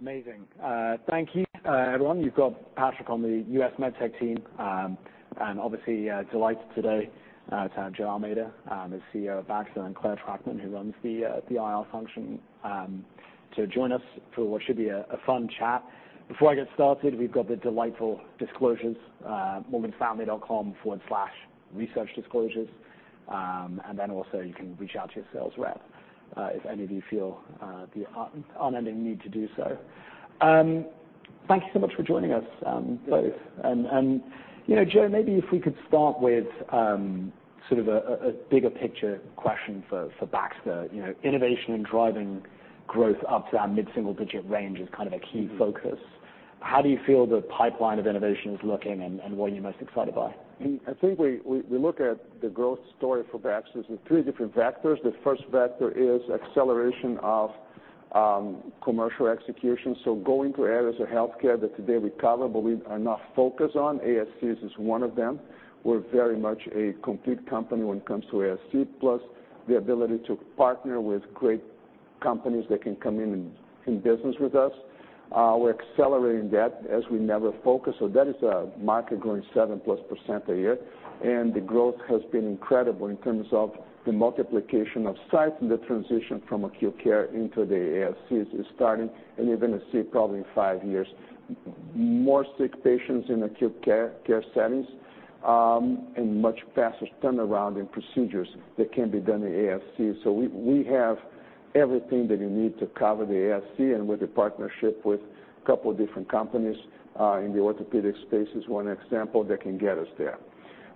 Amazing. Thank you, everyone. You've got Patrick on the U.S. MedTech team, and obviously, delighted today, to have Joe Almeida, the CEO of Baxter, and Clare Trachtman, who runs the IR function, to join us for what should be a fun chat. Before I get started, we've got the delightful disclosures, morganstanley.com/researchdisclosures. And then also you can reach out to your sales rep, if any of you feel, the unending need to do so. Thank you so much for joining us, both. Thank you. You know, Joe, maybe if we could start with sort of a bigger picture question for Baxter. You know, innovation and driving growth up to our mid-single digit range is kind of a key focus. Mm-hmm. How do you feel the pipeline of innovation is looking, and what are you most excited by? I think we look at the growth story for Baxter as three different vectors. The first vector is acceleration of commercial execution, so going to areas of healthcare that today we cover, but we are not focused on. ASCs is one of them. We're very much a complete company when it comes to ASC, plus the ability to partner with great companies that can come in and do business with us. We're accelerating that as we never focus, so that is a market growing 7%+ a year, and the growth has been incredible in terms of the multiplication of sites and the transition from acute care into the ASCs is starting, and you're gonna see probably five years more sick patients in acute care care settings, and much faster turnaround in procedures that can be done in ASC. So we have everything that you need to cover the ASC, and with the partnership with a couple different companies in the orthopedic space is one example that can get us there.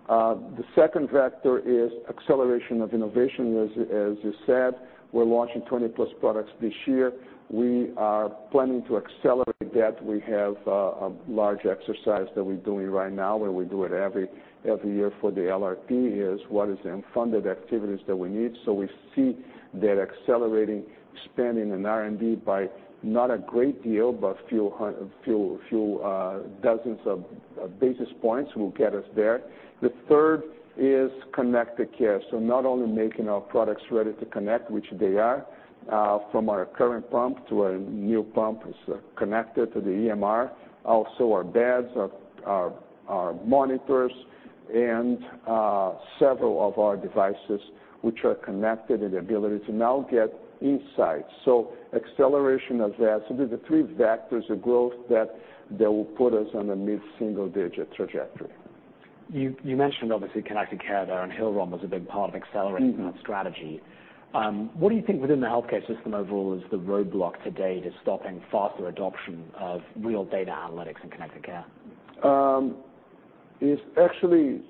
The second vector is acceleration of innovation. As you said, we're launching 20+ products this year. We are planning to accelerate that. We have a large exercise that we're doing right now, where we do it every year for the LRP, is what is the unfunded activities that we need? So we see that accelerating, expanding in R&D by not a great deal, but few dozens of basis points will get us there. The third is connected care, so not only making our products ready to connect, which they are, from our current pump to a new pump is connected to the EMR, also our beds, our monitors, and several of our devices, which are connected, and the ability to now get insights. So acceleration of that. So there's the three vectors of growth that will put us on a mid-single-digit trajectory. You mentioned obviously connected care there, and Hillrom was a big part of accelerating- Mm-hmm... That strategy. What do you think within the healthcare system overall is the roadblock today to stopping faster adoption of real data analytics and connected care? It's actually,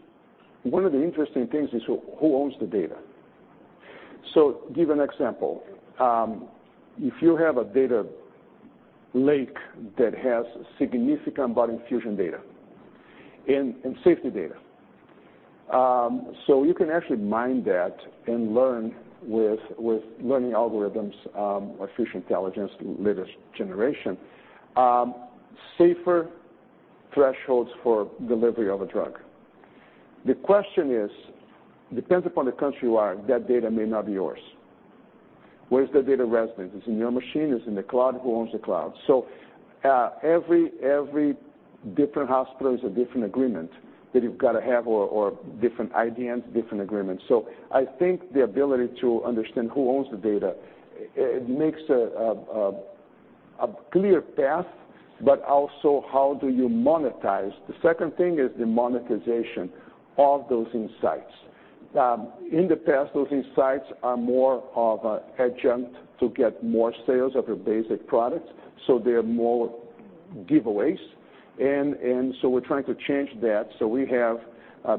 one of the interesting things is who owns the data? So give an example. If you have a data lake that has significant volume infusion data and safety data, so you can actually mine that and learn with learning algorithms, artificial intelligence, latest generation, safer thresholds for delivery of a drug. The question is, depends upon the country you are, that data may not be yours. Where's the data residence? It's in your machine, it's in the cloud. Who owns the cloud? So every different hospital is a different agreement that you've got to have or different IDNs, different agreements. So I think the ability to understand who owns the data, it makes a clear path, but also how do you monetize? The second thing is the monetization of those insights. In the past, those insights are more of a adjunct to get more sales of your basic products, so they're more giveaways. So we're trying to change that.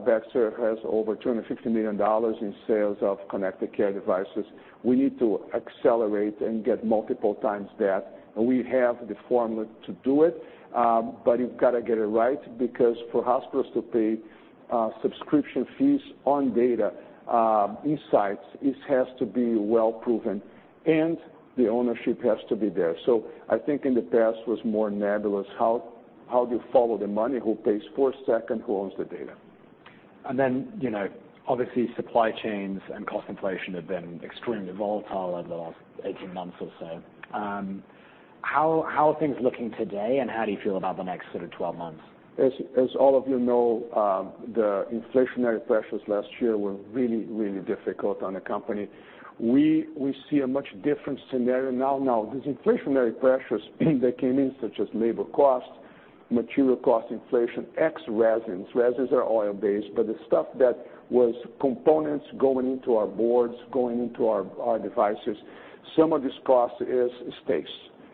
Baxter has over $250 million in sales of connected care devices. We need to accelerate and get multiple times that, and we have the formula to do it. But you've got to get it right, because for hospitals to pay subscription fees on data insights, it has to be well-proven, and the ownership has to be there. So I think in the past was more nebulous. How do you follow the money? Who pays for second? Who owns the data? Then, you know, obviously, supply chains and cost inflation have been extremely volatile over the last 18 months or so. How are things looking today, and how do you feel about the next sort of 12 months? As all of you know, the inflationary pressures last year were really, really difficult on the company. We see a much different scenario now. Now, these inflationary pressures that came in, such as labor costs, material costs, inflation ex resins. Resins are oil-based, but the stuff that was components going into our boards, going into our devices, some of this cost persists.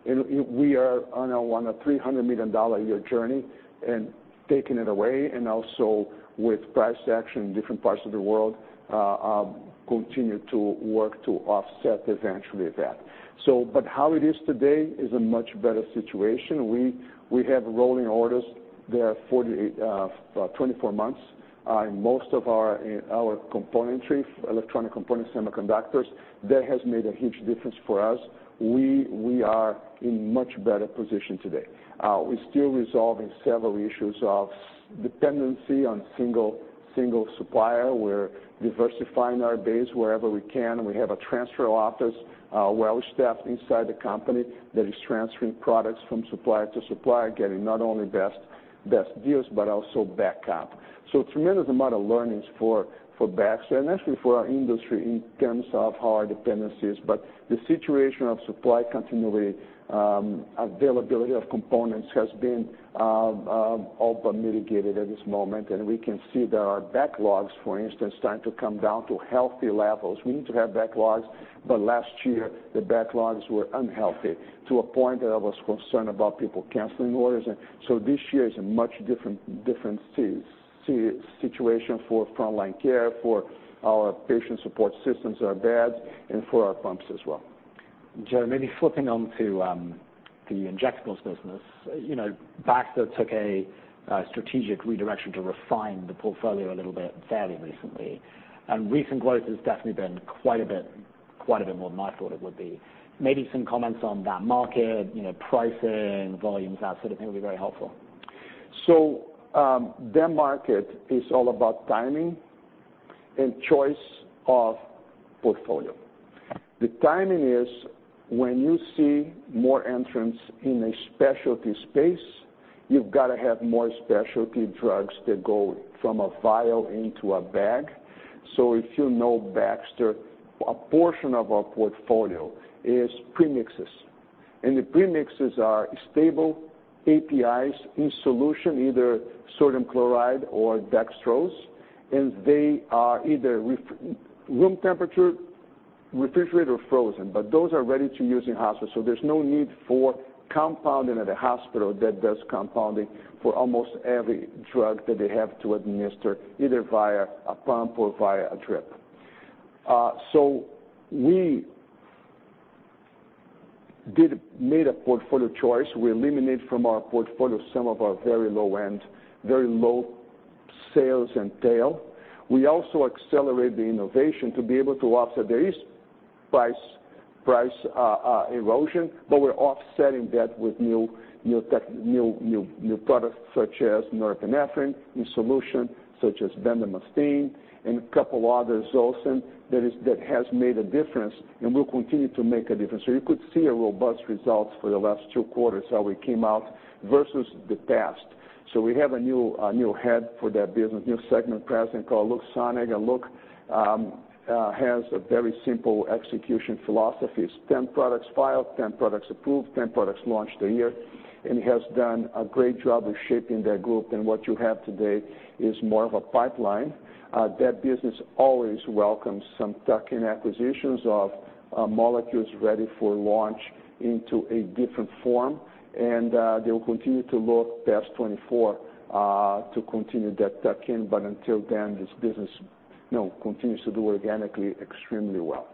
And we are on a $300 million a year journey and taking it away, and also with price action in different parts of the world, continue to work to offset eventually that. But how it is today is a much better situation. We have rolling orders that are 48, 24 months in most of our componentry, electronic components, semiconductors. That has made a huge difference for us. We are in much better position today. We're still resolving several issues of dependency on single supplier. We're diversifying our base wherever we can, and we have a transfer office, well-staffed inside the company that is transferring products from supplier to supplier, getting not only best deals, but also back up. So tremendous amount of learnings for Baxter, and actually for our industry in terms of our dependencies. But the situation of supply continuity, availability of components has been all but mitigated at this moment, and we can see that our backlogs, for instance, starting to come down to healthy levels. We need to have backlogs, but last year, the backlogs were unhealthy, to a point that I was concerned about people canceling orders. So this year is a much different situation for frontline care, for our patient support systems, our beds, and for our pumps as well. Joe, maybe flipping onto the injectables business. You know, Baxter took a strategic redirection to refine the portfolio a little bit fairly recently. Recent growth has definitely been quite a bit, quite a bit more than I thought it would be. Maybe some comments on that market, you know, pricing, volumes, that sort of thing would be very helpful. So, that market is all about timing and choice of portfolio. The timing is when you see more entrants in a specialty space, you've got to have more specialty drugs that go from a vial into a bag. So if you know Baxter, a portion of our portfolio is premixes, and the premixes are stable APIs in solution, either sodium chloride or dextrose, and they are either room temperature, refrigerated or frozen. But those are ready to use in hospitals, so there's no need for compounding at a hospital that does compounding for almost every drug that they have to administer, either via a pump or via a drip. So we made a portfolio choice. We eliminate from our portfolio some of our very low end, very low sales and tail. We also accelerate the innovation to be able to offset. There is price erosion, but we're offsetting that with new products, such as norepinephrine in solution, such as bendamustine, and a couple others also, that has made a difference and will continue to make a difference. So you could see robust results for the last two quarters, how we came out versus the past. So we have a new head for that business, new segment president called Luc Soun, and Luc has a very simple execution philosophy. It's 10 products filed, 10 products approved, 10 products launched a year, and he has done a great job of shaping that group, and what you have today is more of a pipeline. That business always welcomes some tuck-in acquisitions of molecules ready for launch into a different form, and they will continue to look past 2024 to continue that tuck-in. But until then, this business, you know, continues to do organically extremely well.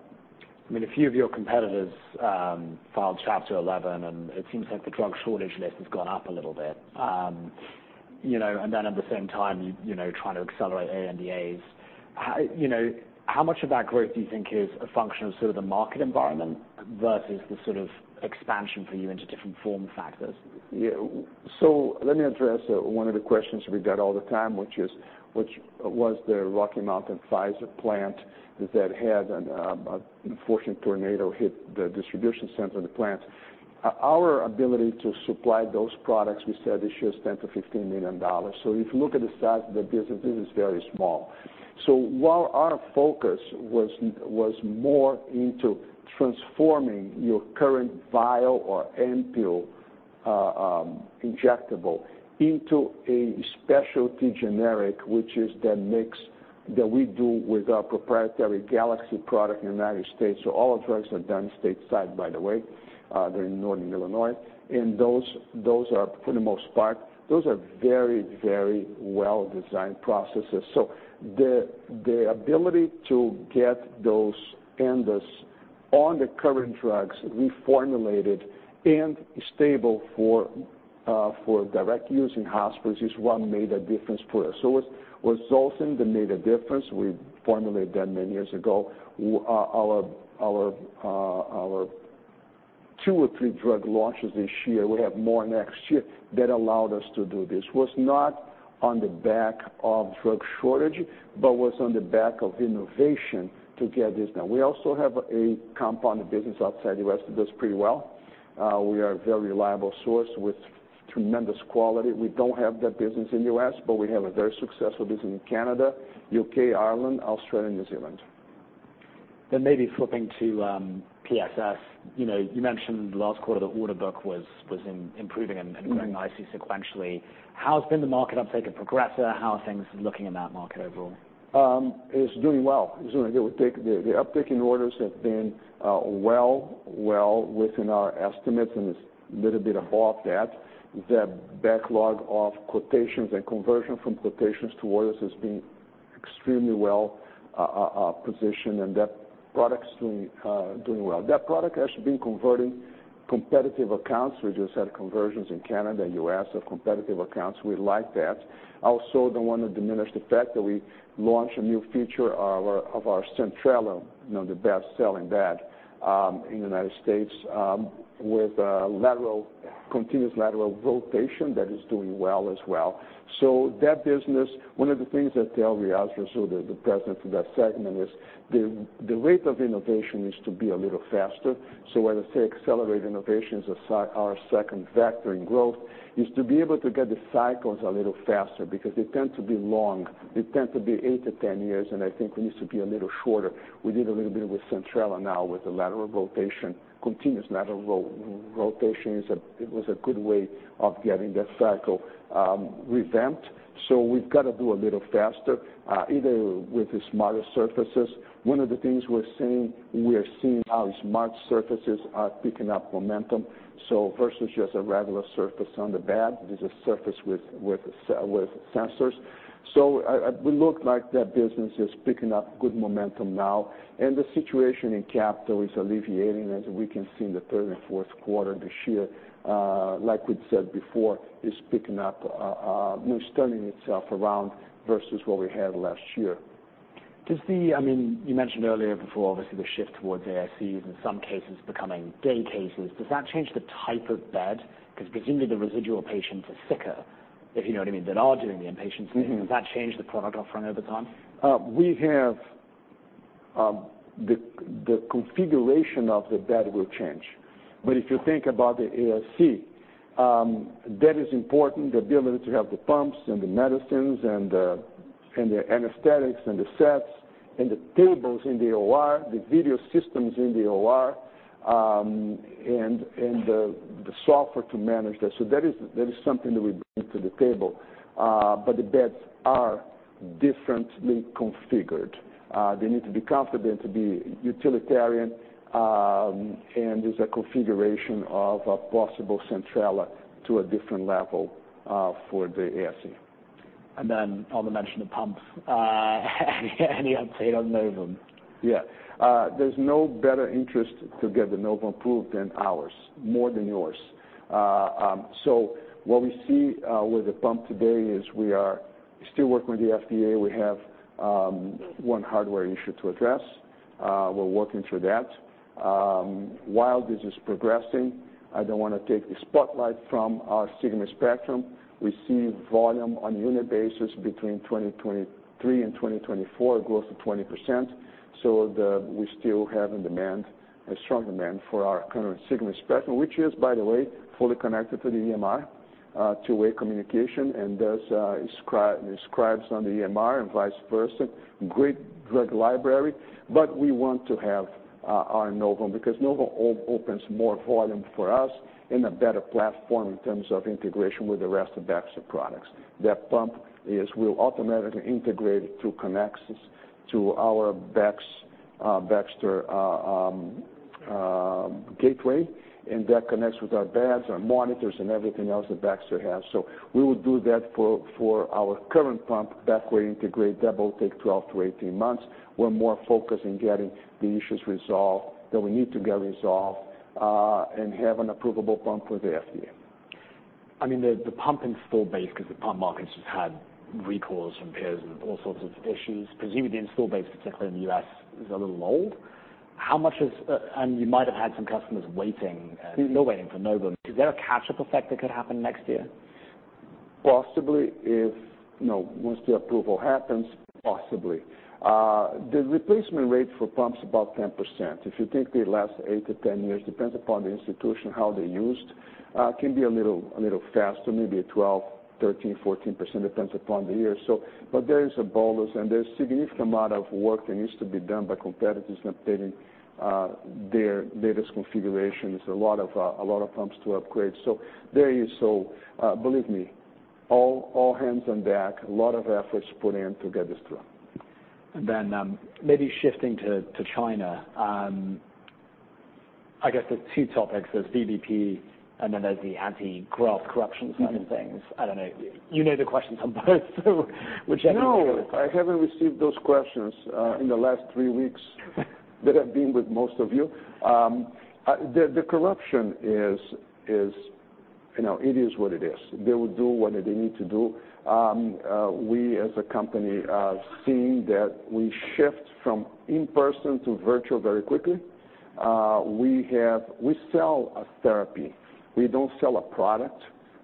I mean, a few of your competitors filed Chapter 11, and it seems like the drug shortage list has gone up a little bit. You know, and then at the same time, you know, trying to accelerate ANDAs. How, you know, how much of that growth do you think is a function of sort of the market environment versus the sort of expansion for you into different form factors? Yeah. So let me address one of the questions we get all the time, which is, which was the Rocky Mountain Pfizer plant that had an unfortunate tornado hit the distribution center of the plant. Our ability to supply those products, we said, this year is $10 million-$15 million. So if you look at the size of the business, it is very small. So while our focus was more into transforming your current vial or ampoule, injectable into a specialty generic, which is the mix that we do with our proprietary Galaxy product in the United States. So all our drugs are done stateside, by the way, they're in Northern Illinois. And those are, for the most part, very, very well-designed processes. So the ability to get those ANDAs on the current drugs reformulated and stable for for direct use in hospitals is what made a difference for us. So it was Zosyn that made a difference. We formulated that many years ago. Our two or three drug launches this year, we have more next year, that allowed us to do this. Was not on the back of drug shortage, but was on the back of innovation to get this done. We also have a compound business outside U.S., it does pretty well. We are a very reliable source with tremendous quality. We don't have that business in the U.S., but we have a very successful business in Canada, U.K., Ireland, Australia, and New Zealand. Then maybe flipping to PSS. You know, you mentioned last quarter the order book was improving and growing i.e. sequentially. How's been the market uptake of Progressa? How are things looking in that market overall? It's doing well. It's doing well. The uptake in orders have been well within our estimates, and it's a little bit above that. The backlog of quotations and conversion from quotations to orders has been extremely well positioned, and that product's doing well. That product has been converting competitive accounts. We just had conversions in Canada and U.S. of competitive accounts. We like that. Also, don't want to diminish the fact that we launched a new feature of our Centrella, you know, the best-selling bed in the United States with continuous lateral rotation that is doing well as well. So that business, one of the things that tell me, Reaz Rasul, the president of that segment, is the rate of innovation needs to be a little faster. So when I say accelerate innovations, as our second factor in growth, is to be able to get the cycles a little faster, because they tend to be long. They tend to be eight to 10 years, and I think we need to be a little shorter. We did a little bit with Centrella now, with the lateral rotation, continuous lateral rotation. It was a good way of getting that cycle revamped. So we've got to do a little faster, either with the smarter surfaces. One of the things we're seeing, we are seeing how smart surfaces are picking up momentum. So versus just a regular surface on the bed, this is a surface with sensors. We look like that business is picking up good momentum now, and the situation in capital is alleviating, as we can see in the third and fourth quarter this year. Like we'd said before, it's picking up, you know, turning itself around versus what we had last year. To see, I mean, you mentioned earlier before, obviously, the shift towards ASCs, in some cases becoming day cases. Does that change the type of bed? Because presumably the residual patients are sicker, if you know what I mean, that are doing the inpatient- Mm-hmm. Does that change the product offering over time? We have the configuration of the bed will change. But if you think about the ASC, that is important, the ability to have the pumps and the medicines and the anesthetics and the sets and the tables in the OR, the video systems in the OR, and the software to manage that. So that is something that we bring to the table. But the beds are differently configured. They need to be confident to be utilitarian, and there's a configuration of a possible Centrella to a different level, for the ASC. On the mention of pumps, any update on Novum? Yeah. There's no better interest to get the Novum approved than ours, more than yours. So what we see with the pump today is we are still working with the FDA. We have one hardware issue to address. We're working through that. While this is progressing, I don't want to take the spotlight from our Sigma Spectrum. We see volume on unit basis between 2023 and 2024, growth of 20%. So we still have a demand, a strong demand for our current Sigma Spectrum, which is, by the way, fully connected to the EMR, two-way communication, and does scribes on the EMR and vice versa. Great drug library, but we want to have our Novum, because Novum opens more volume for us and a better platform in terms of integration with the rest of Baxter products. That pump will automatically integrate through Connex to our Baxter gateway, and that connects with our beds, our monitors, and everything else that Baxter has. So we will do that for our current pump, backward integrate. That will take 12-18 months. We're more focused in getting the issues resolved that we need to get resolved, and have an approvable pump with the FDA. I mean, the pump install base, because the pump markets just had recalls from peers and all sorts of issues, presumably the install base, particularly in the U.S., is a little old. How much is... and you might have had some customers waiting, still waiting for Novum. Mm-hmm. Is there a catch-up effect that could happen next year? Possibly, if, you know, once the approval happens, possibly. The replacement rate for pumps is about 10%. If you think they last eight to 10 years, depends upon the institution, how they're used, can be a little faster, maybe 12%, 13%, 14%, depends upon the year. So but there is a bonus, and there's significant amount of work that needs to be done by competitors in updating their latest configurations. A lot of pumps to upgrade. So there is, believe me, all hands on deck. A lot of efforts put in to get this through. And then, maybe shifting to China, I guess there's two topics. There's VBP, and then there's the anti-graft corruption kind of things. Mm-hmm. I don't know. You know the questions on both, so whichever- No, I haven't received those questions in the last three weeks that I've been with most of you. The corruption is, you know, it is what it is. They will do what they need to do. We, as a company, are seeing that we shift from in-person to virtual very quickly. We sell a therapy. We don't sell a product,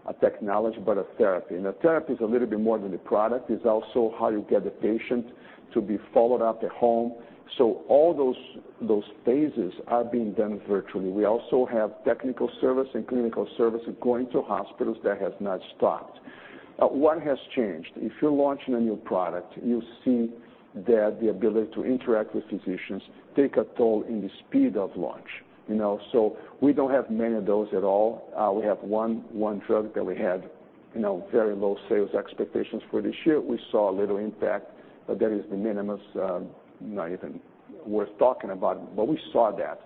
a technology, but a therapy. And a therapy is a little bit more than a product. It's also how you get the patient to be followed up at home. So all those phases are being done virtually. We also have technical service and clinical service going to hospitals. That has not stopped. One has changed. If you're launching a new product, you see that the ability to interact with physicians take a toll in the speed of launch, you know? So we don't have many of those at all. We have one drug that we had, you know, very low sales expectations for this year. We saw a little impact, but that is the minimum, not even worth talking about, but we saw that.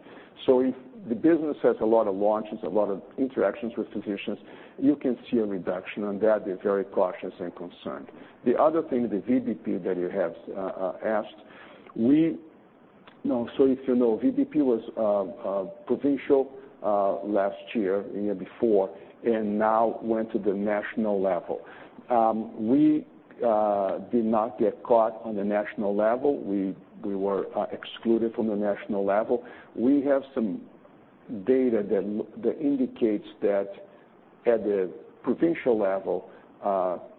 So if the business has a lot of launches, a lot of interactions with physicians, you can see a reduction on that. They're very cautious and concerned. The other thing, the VBP that you have asked, we, you know, so if you know, VBP was provincial last year, the year before, and now went to the national level. We did not get caught on the national level. We were excluded from the national level. We have some data that indicates that at the provincial level,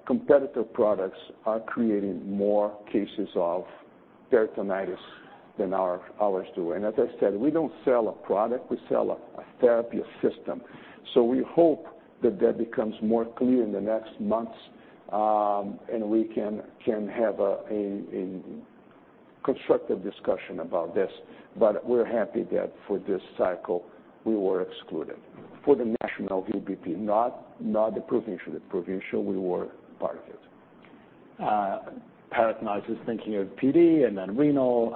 competitor products are creating more cases of peritonitis than ours do. And as I said, we don't sell a product, we sell a therapy system. So we hope that that becomes more clear in the next months, and we can have a constructive discussion about this. But we're happy that for this cycle, we were excluded. For the national VBP, not the provincial. The provincial, we were part of it. peritonitis, thinking of PD and then renal,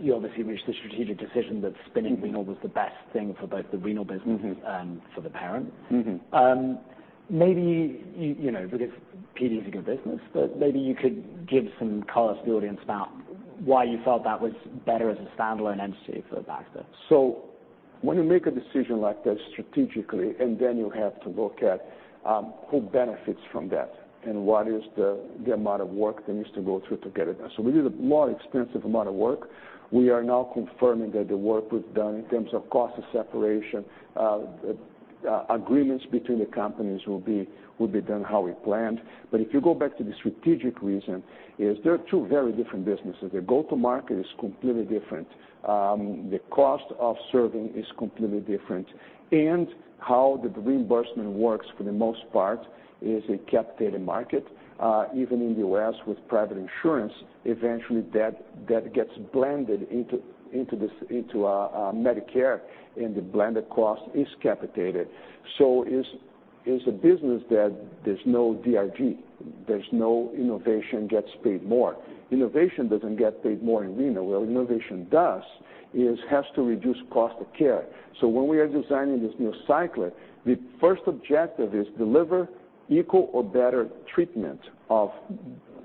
you obviously reached the strategic decision that spinning- Mm-hmm Renal was the best thing for both the Renal business- Mm-hmm - And for the parent. Mm-hmm. Maybe you know, because PD is a good business, but maybe you could give some color to the audience about why you felt that was better as a standalone entity for Baxter? So when you make a decision like that strategically, and then you have to look at, who benefits from that, and what is the, the amount of work that needs to go through to get it done. So we did a more extensive amount of work. We are now confirming that the work we've done in terms of cost of separation, agreements between the companies will be done how we planned. But if you go back to the strategic reason, is they are two very different businesses. Their go-to-market is completely different. The cost of serving is completely different. And how the reimbursement works, for the most part, is a capitated market. Even in the U.S. with private insurance, eventually, that gets blended into, into this, into, Medicare, and the blended cost is capitated. So it's a business that there's no DRG, there's no innovation gets paid more. Innovation doesn't get paid more in renal. What innovation does is has to reduce cost of care. So when we are designing this new cycler, the first objective is deliver equal or better treatment of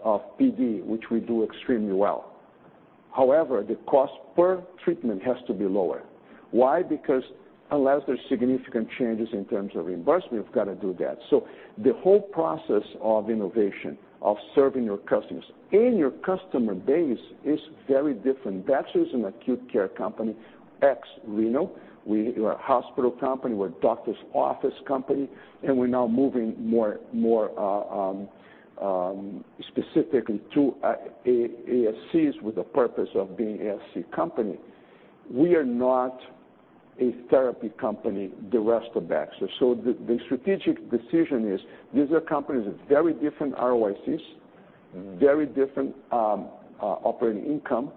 PD, which we do extremely well. However, the cost per treatment has to be lower. Why? Because unless there's significant changes in terms of reimbursement, we've got to do that. So the whole process of innovation, of serving your customers and your customer base is very different. Baxter's an acute care company, ex renal. We are a hospital company, we're a doctor's office company, and we're now moving more specifically to ASCs with the purpose of being ASC company. We are not a therapy company, the rest of Baxter. So the strategic decision is, these are companies with very different ROICs, very different operating income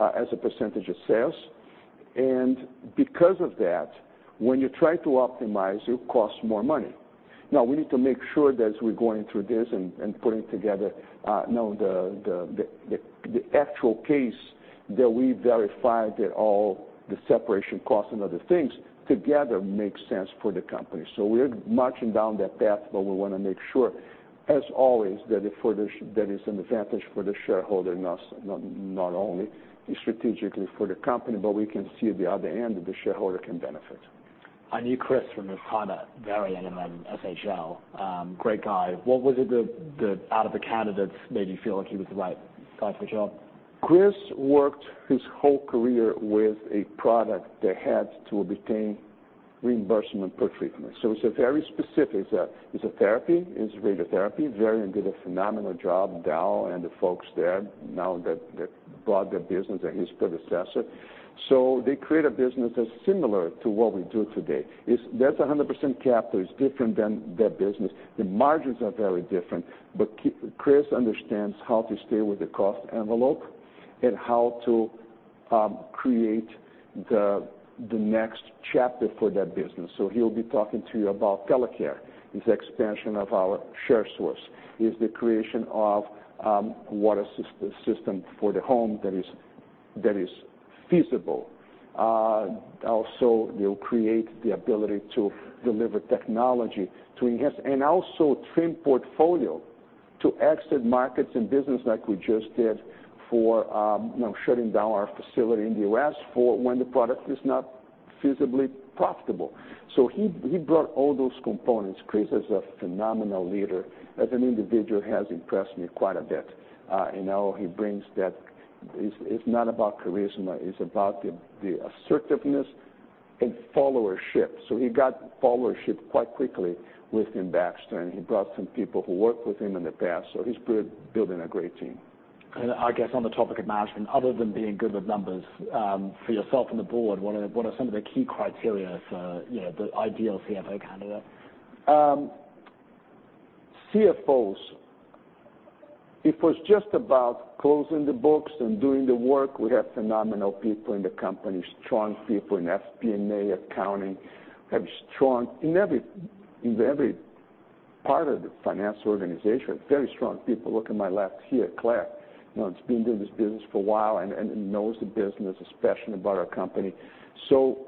as a percentage of sales. And because of that, when you try to optimize, it costs more money. Now, we need to make sure that as we're going through this and putting together the actual case, that we verify that all the separation costs and other things together make sense for the company. So we're marching down that path, but we want to make sure, as always, that there is an advantage for the shareholder, not only strategically for the company, but we can see at the other end, the shareholder can benefit. I knew Chris from his time at Varian and then SHL. Great guy. What was it that, that out of the candidates, made you feel like he was the right guy for the job? Chris worked his whole career with a product that had to obtain reimbursement per treatment. So it's a very specific, it's a therapy, it's radiotherapy. Varian did a phenomenal job, Dow and the folks there, now that, that bought the business and his predecessor. So they create a business that's similar to what we do today. That's 100% capital. It's different than their business. The margins are very different, but Chris understands how to stay with the cost envelope and how to create the next chapter for that business. So he'll be talking to you about telecare, it's expansion of our Sharesource. It's the creation of water system for the home that is, that is feasible. Also, they'll create the ability to deliver technology to enhance... And also trim portfolio to exit markets and business like we just did for you know shutting down our facility in the U.S. for when the product is not feasibly profitable. So he brought all those components. Chris is a phenomenal leader. As an individual, has impressed me quite a bit. And now he brings that—it's not about charisma, it's about the assertiveness and followership. So he got followership quite quickly within Baxter, and he brought some people who worked with him in the past, so he's building a great team. I guess on the topic of management, other than being good with numbers, for yourself and the board, what are some of the key criteria for, you know, the ideal CFO candidate? CFOs, if it's just about closing the books and doing the work, we have phenomenal people in the company, strong people in FP&A, accounting. We have strong in every part of the financial organization, very strong people. Look at my left here, Clare, you know, has been doing this business for a while and knows the business, is passionate about our company. So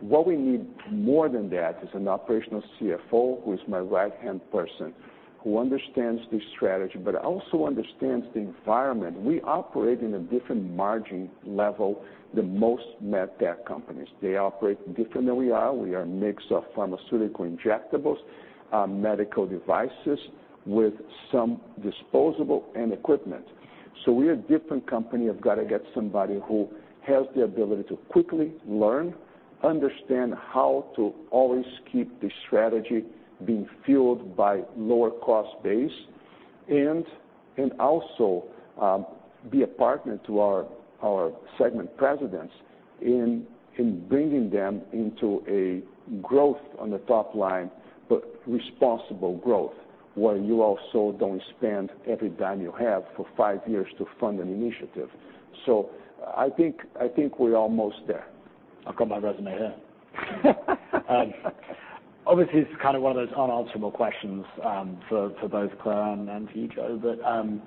what we need more than that is an operational CFO, who is my right-hand person, who understands the strategy, but also understands the environment. We operate in a different margin level than most med tech companies. They operate different than we are. We are a mix of pharmaceutical injectables, medical devices, with some disposable and equipment. So we're a different company. I've got to get somebody who has the ability to quickly learn, understand how to always keep the strategy being fueled by lower cost base, and also be a partner to our segment presidents in bringing them into a growth on the top line, but responsible growth, where you also don't spend every dime you have for five years to fund an initiative. So I think we're almost there. I've got my resume here. Obviously, it's kind of one of those unanswerable questions for both Clare and for you, Joe.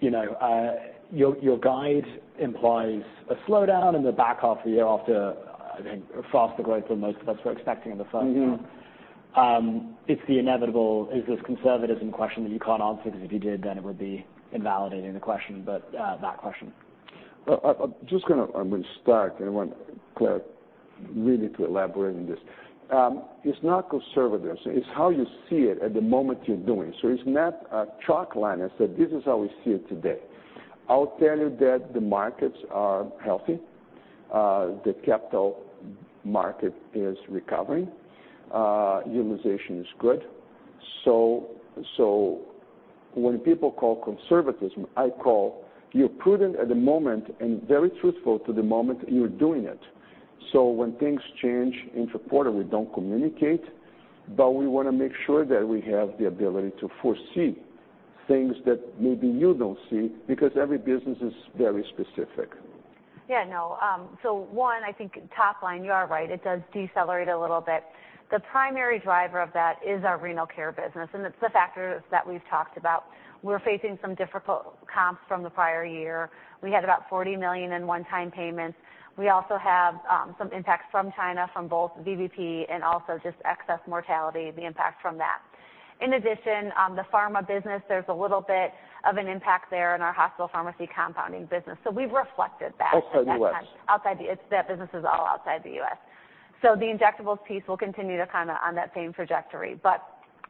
You know, your guide implies a slowdown in the back half of the year after, I think, a faster growth than most of us were expecting in the first half. Mm-hmm. It's the inevitable, "Is this conservatism?" question that you can't answer, because if you did, then it would be invalidating the question, but, that question. Well, I'm just going to start, and I want Clare really to elaborate on this. It's not conservatism. It's how you see it at the moment you're doing. So it's not a chalk line. I said, this is how we see it today. I'll tell you that the markets are healthy. The capital market is recovering. Utilization is good. So when people call conservatism, I call you're prudent at the moment and very truthful to the moment you're doing it. So when things change intraquarter, we don't communicate, but we want to make sure that we have the ability to foresee things that maybe you don't see, because every business is very specific. Yeah, no. So one, I think top line, you are right, it does decelerate a little bit. The primary driver of that is our renal care business, and it's the factors that we've talked about. We're facing some difficult comps from the prior year. We had about $40 million in one-time payments. We also have some impacts from China, from both VBP and also just excess mortality, the impact from that. In addition, the pharma business, there's a little bit of an impact there in our hospital pharmacy compounding business, so we've reflected that- Outside the U.S. It's that business is all outside the U.S. So the injectables piece will continue to kind of on that same trajectory, but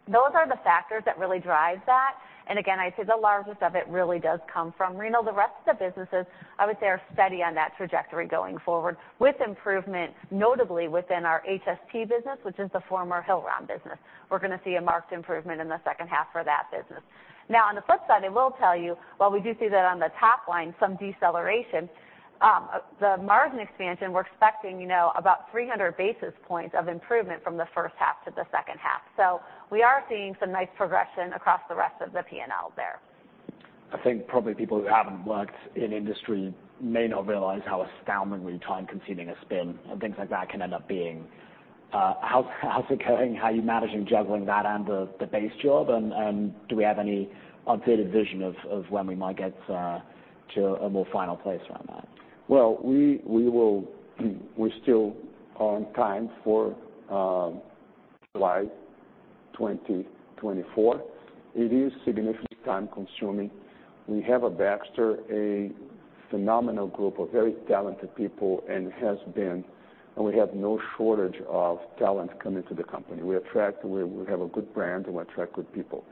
those are the factors that really drive that. And again, I'd say the largest of it really does come from renal. The rest of the businesses, I would say, are steady on that trajectory going forward, with improvements, notably within our HST business, which is the former Hillrom business. We're going to see a marked improvement in the second half for that business. Now, on the flip side, I will tell you, while we do see that on the top line, some deceleration, the margin expansion, we're expecting, you know, about 300 basis points of improvement from the first half to the second half. So we are seeing some nice progression across the rest of the P&L there. I think probably people who haven't worked in industry may not realize how astoundingly time-consuming a spin and things like that can end up being. How's it going? How are you managing juggling that and the base job, and do we have any updated vision of when we might get to a more final place around that? Well, we will-- We're still on time for July 2024. It is significantly time-consuming. We have at Baxter a phenomenal group of very talented people and has been, and we have no shortage of talent coming to the company. We attract-- We have a good brand, and we attract good people.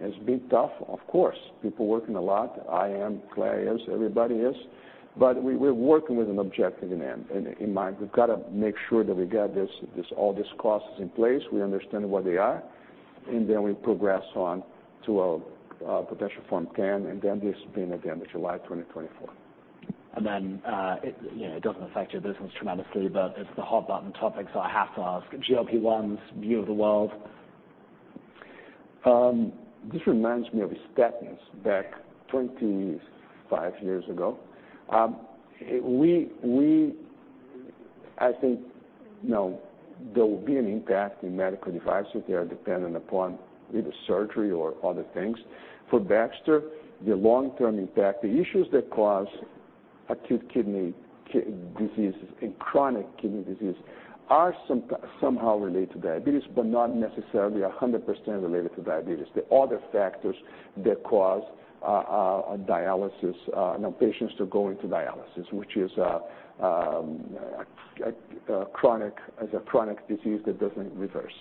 It's been tough, of course. People working a lot. I am, Clare is, everybody is, but we're working with an objective in mind. We've got to make sure that we got this all these costs in place, we understand what they are, and then we progress on to a potential Form 10, and then this being, again, the July 2024. And then, you know, it doesn't affect your business tremendously, but it's the hot button topic, so I have to ask. GLP-1's view of the world? This reminds me of statins back 25 years ago. We—I think, you know, there will be an impact in medical devices. They are dependent upon either surgery or other things. For Baxter, the long-term impact, the issues that cause acute kidney diseases and chronic kidney disease are somehow related to diabetes, but not necessarily 100% related to diabetes. There are other factors that cause dialysis, you know, patients to go into dialysis, which is a chronic disease that doesn't reverse.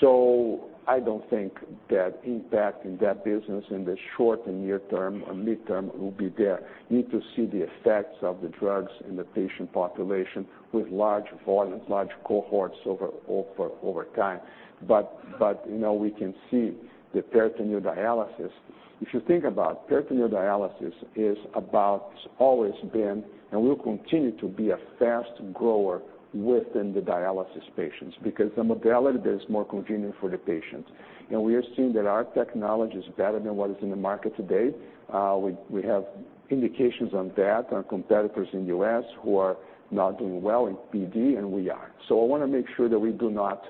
So I don't think that impact in that business in the short and near term or mid-term will be there. Need to see the effects of the drugs in the patient population with large volumes, large cohorts over time. But, you know, we can see the peritoneal dialysis. If you think about peritoneal dialysis is about, it's always been, and will continue to be a fast grower within the dialysis patients, because the modality is more convenient for the patient. And we are seeing that our technology is better than what is in the market today. We have indications on that, on competitors in the U.S. who are not doing well in PD, and we are. So I want to make sure that we do not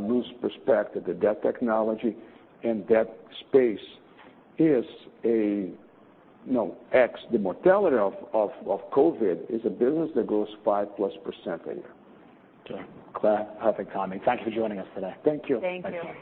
lose perspective, that that technology and that space is a, you know, X, the mortality of, of, of COVID, is a business that grows 5%+ a year. Okay. Clare, have a timing. Thank you for joining us today. Thank you. Thank you.